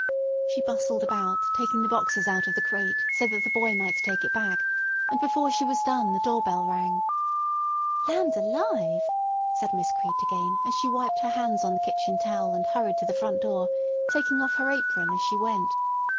She bustled about, taking the boxes out of the crate so that the boy might take it back; and before she was done the door bell rang. "Land alive!" said Miss Crete again as she wiped her hands on the kitchen towel and hurried to the front door, taking off her apron as she went.